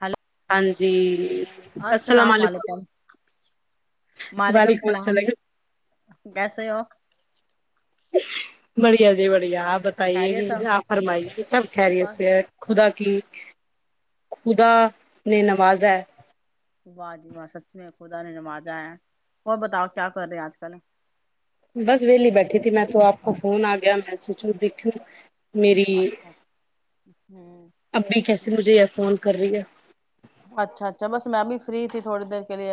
hello ہاں جی السلام علیکم وعلیکم السلام کیسے ہو بڑھیا جی بڑھیا بتائیے کہ خیریت ہو مجھے آپ فرمائیے کہ سب خیریت بس سے خدا کہ خدا نے نوازا ہے واہ جی واہ سچ میں خدا نے نمازا ہے کو بتاؤ کیا کر رہے ہیں آج کل بس ویلی بیٹھی تھی میں تو آپ کو فون آ گیا میں سچاں دیکوں میری اچھا ہ ابھی کیسے مجھے ایئر فون کر رہی ہے اچھا اچھا بس میں ا بھی فری تھی تھوڑی دیر کے لیے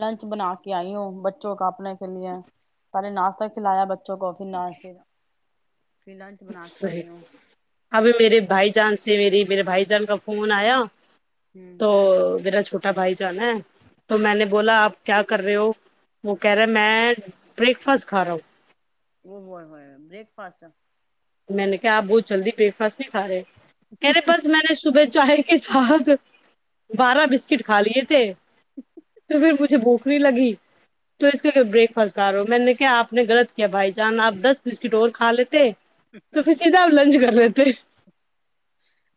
لنچ بنا کے آئی ہوں بچوں کا اپنے چنییا پہلے ناس تک کلایا بچ [unintelligible] ا کافی نا س [unintelligible] صی اب میرے بھائی جان سے میری میرے بھائی جان کا فون آیا ہ تو براج چھوٹا بھائی جانا ہے تو میں نے بولا آپ کیا کر رہے ہو وہ کہہ رہے میں بریک فاسٹ کھا رہا ہوں وہ ہو ہو بریک فاسٹ میں نے کہ آپ بہت جلدی بریک فاسٹ نہیں کا رہے مے پاس میں نے صبح چائے کے ساتھ بارہ بسکٹ کھا لیے تھے تو پھر مجھے بک ری لگی تو اس کا بریک فاسٹ ک رہو میں نے کیا آپ نے غلط کیا بھائی جان آپ دس بسکٹ اور کھا لیتے تو پھر سیدھا آپ لنچ کر رہے تھ تھ [unintelligible]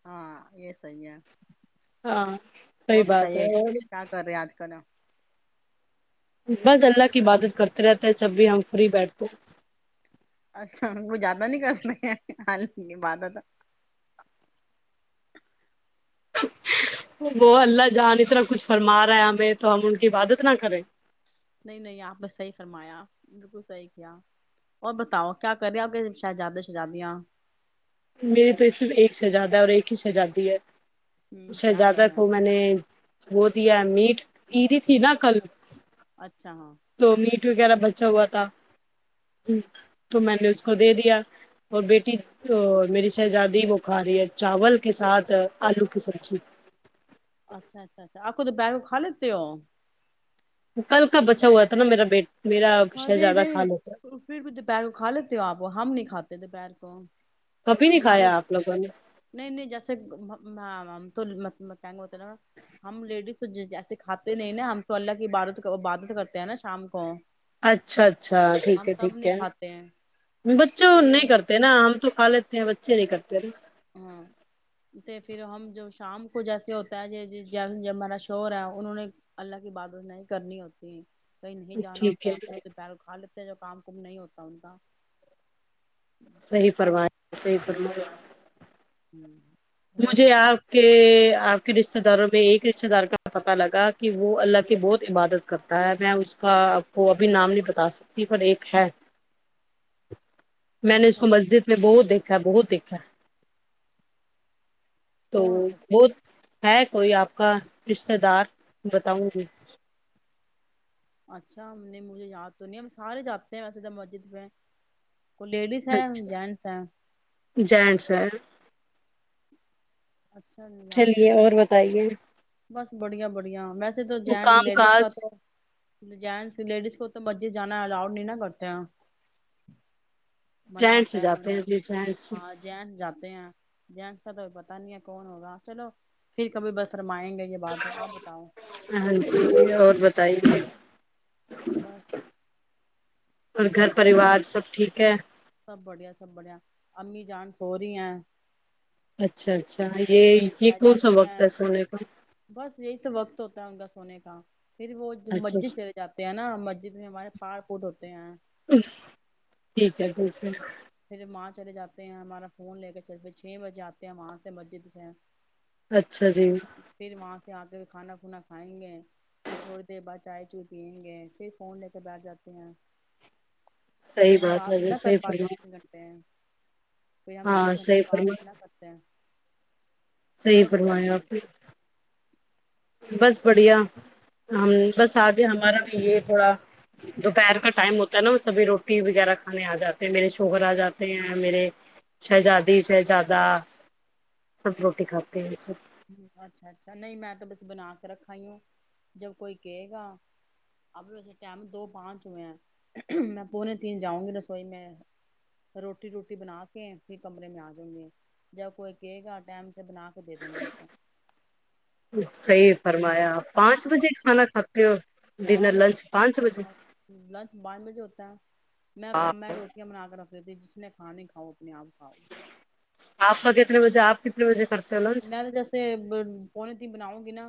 ہاں یہ صی ہے ہاں صحیح وہ بات ہے بتائیے اور کیا کر رہے ہیں آج کل ہم بس اللہ کی عبادت کرتے رہتے ہیں جب بھی ہم فری بیٹھتے اچھا وہ زیادہ نہیں کرتے حال اننی بد تھا وہ اللہ جہان اتنا کچھ فرما رہا ہے ہمیں تو ہم ان کی عبادت نہ کریں نہیں نہیں آپ نے صحیح فرمایا بالکل صحیح کیا اور بتاؤ کیا کر رہے آپ کے شاہزادے شزادیاں میری تو یہ صرف ایک شہزادہ ہے اور ایک ہی شہزادی ہے ہوں اسے کیا ج کر رہے تک ہیں ہو میں نے وہ میٹ اییدی تھی نا کل اچھا ہاں ا بچا ہوا تھا تو میں نے اس کو دے دیا اور بیٹی تو میری شہزادی وہ کھا رہی ہے چاول کے ساتھ آلو کی سبزی اچھا اچھا اچھا آپ کو تو بیروں کھا لیتے ہو کل کا بچا ہوا تھا نا میرا بیٹا ہاں د د پھر بھی دوپہر کو کھا لیتے ہو آپ ہم نہیں کھاتے دوپہر کو ہے، کبھی تو [unintelligible] نہیں ہمارے کھایا آپ لوگوں نے نہیں نہیں جیسے تو ناا ہم لیڈیز تو جیسے کھاتے نہیں نا ہم تو اللہ کی عبادت عبادت کرتے ہیں نا شام کو اچھا اچھا ٹھیک ہم ہے تب ٹھیک نہیں ہے کھاتے ہیں بچوں تے نہیں کرتے نا ہم تو کھا لیتے ہیں بچ چر کرتے رہ ہاں تو پھر ہم جو شام کو جیسے ہوتا ہے جب ہمیرا شر ہے انہوں نے اللہ کی عبادت نہیں کرنی ہوتی ہیں کہیں نہیں جانا ہوتا ہے پھرپیر کھال جو کام کم نہیں ہوتا ان کا صحیح پرواہ صحیح پر ہوں مجھے آپ کے آپ کے رشتے داروں میں ایک رشتے دار کا پت لگا کہ وہ اللہ کی بہت عبادت کرتا ہے میں اس کا آپ کو ابھی نام نہیں بتا سکتی پر ایک ہے میں نے اس اچھا کو مسجد میں بہت دیکھا سھا بہت دچھا تو کون ہو سکتا بت ہے کوئی آپ کا رشتتے دار بتاؤں گی اچھا ہم نے مجھے یاد تو نہیں ہم سارے جاتے ہیں ویسے تو مسجد میں کوئی لیڈیز ہے اچھا جینٹس ہے جین سر اچھا یاد چلیے نہیں اور بتائیے بس بڑھیا بڑھیا ویسے تو جین کام لیڈیز کا کاج تو جینس لیڈیز کو تو مجے جانا ہے لؤڈ نہیں نہا کرتے منع جینٹ سے ہوتا ہے جاتے ہیں انہیں جی جینٹ سے ہاں جین جاتے ہیں جینس کا تو پتا نہیں ہے کون ہوگا چلو پھر کبھی بس فرمائیں گے یہ بات ہو آپ بتاؤ ہاں جی اور بتائی بس اور گھر کر پریوار سب ٹھیک ہے سب بڑھیا سب بڑیا امی جان سو رہی ہیں اچھا اچھا م یہ یہ کون سا جاتی وقت ہیں ہے سونے کا بس یہی تو وقت ہوتا ہے انگ سونے کا پھر وہ اچھا مسجد اچھا چلے جاتے ہیں نا مسجد پ ہمارے پاار پوٹ ہوتے ہیں ٹھیک ہے بالک پھر وہاں چلے جاتے ہیں ہمارا فون لے کر چل چھ بجے آتے ہیں وہاں سے مسجد سے اچھا جی پھر مس آ کے کھانا کھا کھائیں گے پھر تھوڑی دیر بعد چائے چوائے پیئیں گے پھر فون لے کے بیٹھ جاتے ہیں صحیح پ ہم ہے بات جی نہ کر صحیح پاتے فرمایا تین گھنٹے کوئی ہم تین ہاں گھنٹے صحیح بات فرما نہ کرتے ہیں صحیح اور فرمایا بتائیے آپ نے بس بڑھیا ہم بس آبھی ہمارا بھی یہ تھوڑا دوپہر کا ٹائم ہوتا ہے نا وہ سبھی روٹی وغیرہ کھانے آ جاتے ہیں میرے شوہر آ جاتے ہیں میرے شہزادی شہزادہ سب روٹی کھاتے ہیں سب اچھا اچھا نہیں میں تو بس بنا کے رکھا ہی ہوں جب کوئی کہے گا اب ویسے ٹم دو پانچ ہوئے ہیں میں پونے تین جاؤں گی رسوئی میں روٹی روٹی بنا کے پھر کمرے میں آ جؤں گی جب کوئی کہے گا ٹائم سے بنا کے دے دوں گی صحیح فرمایا پانچ بجے کھانا کھاتا ہاں لنچ پانچ بجے ہوتا ہے میں میں روٹیاں بنا کے رکھتا جس نے کھانے کاؤ اپ آپ کھاؤ آپ بس کا کتنے بجے آپ کتنے بجے کرتے ہو لنچ میں تو جیسے پونے تین بناؤں گی نا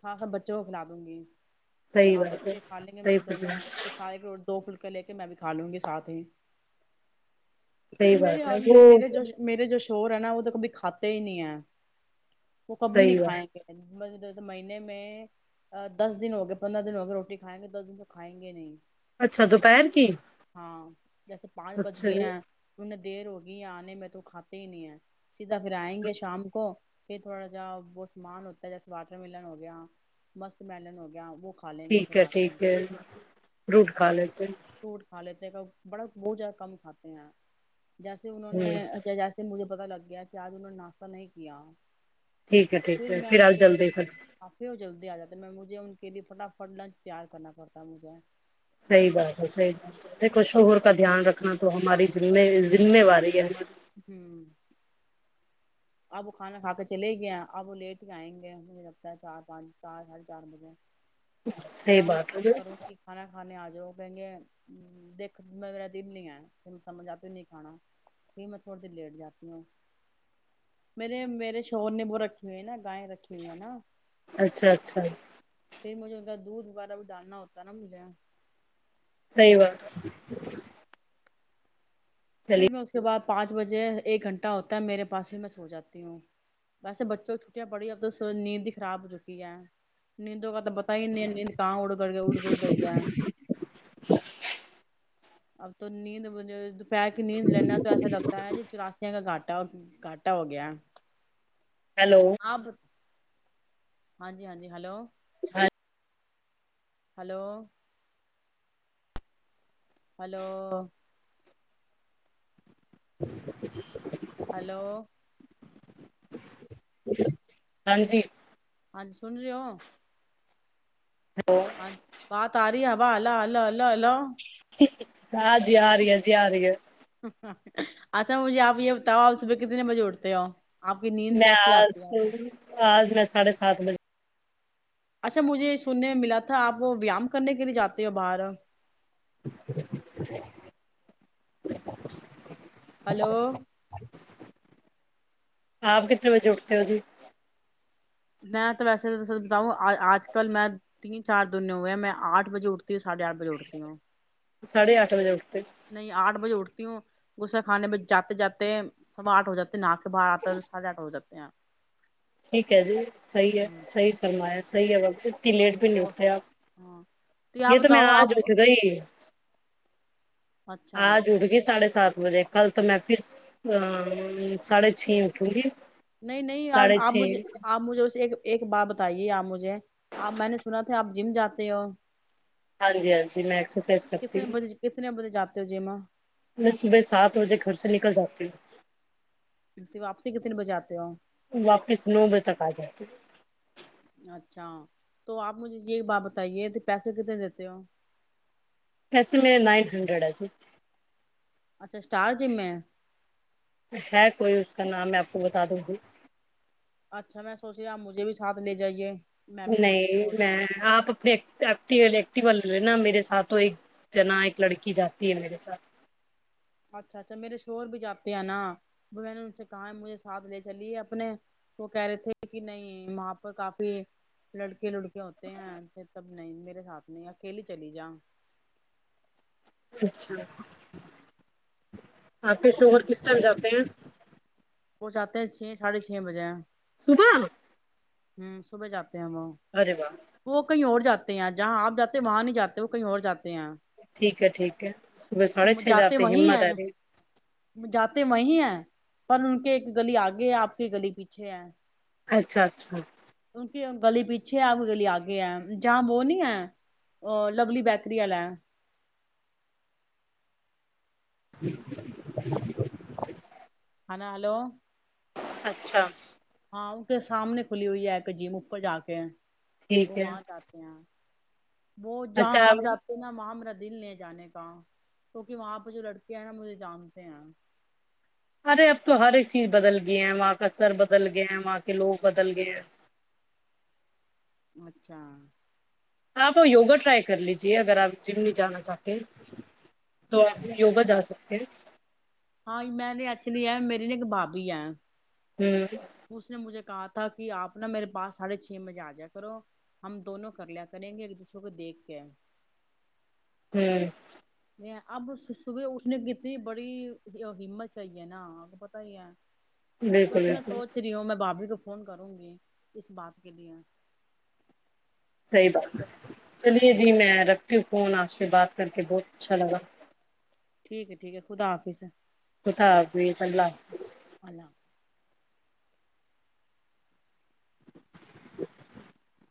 ساتھ س بچوں کو کھلا دوں گی صحیح آپ بات ہے بچے کھا لیں گے صحیح میرے دونوں فرمایا سارے دو فلک لے کے میں بھی کھا لوں گی ساتھ ہی صحیح میرے بات ہے حال میں وہ میرے جوش میرے جوش شوہر ہے نا ا تو کبھی کاتا ہی نہیں ہے وہ کبھی نہیں صحیح بات کھائےیں گ مہینے میں دس دن ہو گئے پندرہ دن ہو گئے روٹی کھائیں گے دس دن تو کھائیں گے نہیں اچھا دوپہر کی ہاں جیسے پانچ بج اچھا گیا ہیں ایں دیر ہو گی یہ آنے میں تو کھاتے ہی نہیں ہے سیدھا پھر آئیں گے شام کو یہ تھوڑا جا وہ سامان ہوتا ہے جیسے واٹر ملن ہو گیا مسک ملن ہو گیا وہ کھا لیں گے ٹھیک پھر ہے آتے ٹھیک ہیں ہے فروٹ کھا لیتے ہیں فوٹ کھا لیتے ہیں بڑا بہت زیادہ کم کھاتے ہیں جیسے انہوں ہ نے جیسے مجھے پتا لگ گیا کہ آج انہوں نے ناشتہ نہیں کیا ٹھیک ہے ٹھیک پھر ہے میں ان آپ کے جلدی لیے کر کافی ہ جلدی آ جات میں مجھے ان کے لیے فٹافٹ لنچ تیار کرنا پڑتا مجھے صحیح بات دیکو پھر شوہر وہ کا سب دھیان رکھنا تو ہماری ذمہ واری ہے ج [unintelligible] ہی اب وہ کھانا کھا کے چلے گیا اب وہ لیٹ ہی آئیں گے مجھے لگتا ہے چار پانچ چار ساڑھے چار بجے میں صحیح انہیں بات فون ہے کروں گی کھانا کھانے آ ج جو کہیں گے دیکھ میں میرا دل نہیں آیا پھر میں سمجھ آتیوں نہیں کھانا پھر میں تھوڑی دیر لیٹ جاتی ہوں میرے میرے شور نے ب رکھے ہوئے نا گائےیں رکھی ہوئی ہے نا اچھا اچھا پھر مجھے ان کا دودھ وغیرہ بھی ڈالنا ہوتا نا مجھے نہیںی و پھر میں اس کے بعد پانچ بجے ایک گھنٹہ ہوتا ہے میرے پاس ہی میں سو جاتی ہوں ویسے بچوں کی چھٹیاں پڑی اب تو نیند ہی خراب ہو چکی ہے نیندوں کا تو تو پتا ہی ان کہاں اڑ کر گیا اڑ گڑ کر گیا اب تو نیند ب پیر کی نیند لا تو ایسا لگتا ہے چاستیا کا گاٹ کٹا کھٹا ہو گیا ہیلو آب ہاں جی ہاں جی ہلو ہلو ہلو ج ہلو ہاں جی ہاں ج سن رہی ہو ہاں باہ ت آ رہ با اللہ اللو اللو ہیلو ہاں جی ہ رہ ہے جی آ رہی ہے اچھا مجھے آپ یہ بتاؤ آپ صبح کتنے بجے اٹتے ہو آپ کی نیند میں کیسی آج آتی ہے آپ کو آج میں ساڑھے سات بجے اچھا مجھے سننے میں ملا تھا آپ وہ ویام کرنے کے لیے جاتے ہو باہر [inaudible] ہلو آپ کتنے بجے اٹھتے ہو جی میں تو ویسے تو بتاؤں آج کل میں تین چار دنے ہوئے میں آٹھ بجے اٹھتی ہوں ساھے آٹھ بجے اٹھتی ہوں سڑھےٹھ بجےٹھ نہیں آٹھ بجے اٹھ تیوں غصے خھانے ب جاتے جاتے سوا آٹھ ہو جاتے ہیں ن کے باہر آتا تو ساھے آٹھ ہو جاتے ہیں ٹھیک ہے جی صحیح ہے ہوں صحیح فرمایا صحیح ہے وق انی لیٹ پہ نہیں او اٹتے آپ ہاں آپ یہ تو میں آ بتاؤ آپ ج اکے گ ہی اچھا آاں جڑ گی ساڑھے سات بجے کل تو میں پھر ساڑھے چھ اٹھوں گی نہیں نہیں ساڑھے آپ مجھے چھ آپ مجھے اسے ایک ایک بات بتائیے آپ مجھے آپ میں نے سنا تھا آپ جم جاتے ہو ہاں جی ہاں جی میں ایکسرسائز کرتی کتنے ہوں بجے کتنے بجے جاتے ہو جم میں صبح سات بجے گھر سے نکل جاتی ہ واپسی کتنے بجے آتے ہو جھ [unintelligible] واپس نو بجے تک آ جاتی اچھا تو آپ مجھے یہ ایک بات بتائیے کہ پیسے کتنے دیتے ہو ایسے میں نائن ہنڈریڈ ہے جی اچھا اسٹار جم ہے ہے کوئی اس کا نام میں آپ کو بتا دوں گی اچھا میں سوچ رہا آپ مجھے بھی ساتھ لے جائیے میں بھی سوچ سوچ نہیں میں آپ اپنے وال ل نا میرے ساتھ تو ایک جنا ایک لڑکی جاتی ہے میرے ساتھ اچھا اچھا میرے شور بھی جاتے ہیں نا میں نے ان سے کہا ہے مجھے ساتھ لے چلیے اپنے وہ کہہ رہے تھے کہ نہیں وہاں پر کافی لڑکے لڑکے ہوتے ہیں پ تب نہیں میرے ساتھ نہیں اکیلے چلی جا اچھا آپ کے شوہر کس ٹائم جاتے ہیں وہ چاہتے ہیں چھ ساڑھے چھ بجے ہیں سدا ہوں سبے جات وہ کیں اور جات ہیں جہاں آپ جاتے وہاں نہیں جاتے وہ کہیں اور جات ٹھیک ہے ٹھیک ہے صبح ساڑھے چھ جاتے وہی ہمت ہیں ہے رہ جاتے وہی ہیں پر ان کے ایک گلی آگے ہے آپ کے گلی پیچھے ہے اچھا اچھا کیونکہ گلی پیچھے ہے کوئی گلی آگے ہے جہاں وہو نہیں ہے ا لولی بیکری والا [inaudible] ہ ن ہلو اچھا ہاں وہ تو سامنے کھلی ہوئی ہے ایک جیم اپر ج کے ٹھیک ہے بومات آتے ہیں وہ جہاں اچھا آپ جاتے ہیں نا وہاں دل لے جانے کا کیکہ وہاں پہ جو لڑکے ہیں نا مجھے جانتے ہیں ارے اب تو ہر ایک چیز بدل گئی ہے وہاں کا سر بدل گیا ہے وہاں کے لوگ بدل گئے ہیں اچھا آپ یوگا ٹرائی کر لیجیے اگر آپ جم نہیں جانا چاہتے ہیں تو آپ یوگا جا سکتے ہیں ہاں میں نے ایکچولی ہے میرری ن ایک بابی ہے ہوں اس نے مجھے کہا تھا کہ آپ نا میرے پاس ساڑھے چھ بجے آ جا کرو ہم دونوں کر لیا کریں گے ایک دوسرے کو دیکھ کے ہوں اب صبح اس نے کیت بڑی ہمت چاہ ہے نا پت ہی ہے بالکل بس میں بالکل سوچ رہی ہوں میں بابری گپ فون کروں گی اس بات کے لیے صیبہ چلیے جی میں رکھ فون آپ سے بات کر کے بہت اچھا لگا ٹھیک ہے ٹھیک ہے خدا آافس ہے کت حب صلہ اللہ حافظ [inaudible]